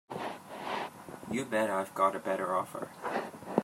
You bet I've got a better offer.